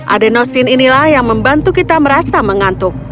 adenosin inilah yang membantu kita merasa mengantuk